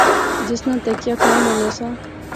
جس نا تکیہ کلام ہونا سا